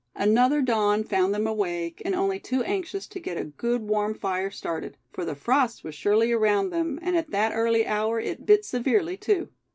Another dawn found them awake, and only too anxious to get a good warm fire started; for the frost was surely around them, and at that early hour it bit severely, too.